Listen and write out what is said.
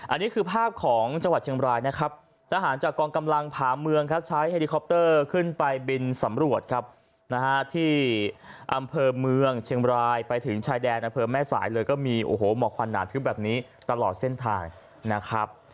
อันนี้คือภาพของจังหวัดเชียงบรายนะครับทหารจากกองกำลังผ่าเมืองครับใช้เฮลิคอปเตอร์ขึ้นไปบินสำรวจครับนะฮะที่อำเภอเมืองเชียงบรายไปถึงชายแดนอำเภอแม่สายเลยก็มีโอ้โหหมอกควันหนาทึบแบบนี้ตลอดเส้นทางนะครับ